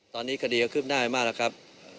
ตอนนี้คดีก็ขึ้นได้มากแล้วครับ